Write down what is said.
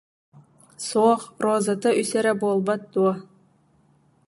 Суох, розата үс эрэ буолбат дуо